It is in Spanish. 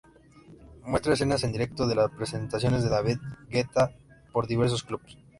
Muestra escenas en directo de las presentaciones de David Guetta por diversos clubs.